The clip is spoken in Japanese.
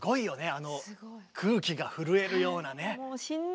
あの空気が震えるようなね。